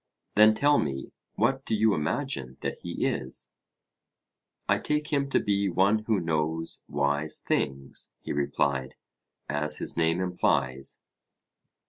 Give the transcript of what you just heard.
Then tell me, what do you imagine that he is? I take him to be one who knows wise things, he replied, as his name implies.